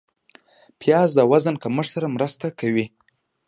پیاز د وزن کمښت سره مرسته کوي